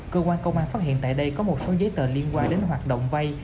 cơ quan công an phát hiện tại đây có một số giấy tờ liên quan đến hoạt động vay